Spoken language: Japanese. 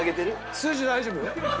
数字大丈夫？